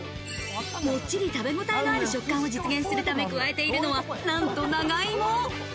もっちり食べごたえのある食感を実現するため加えているのは、なんと長芋。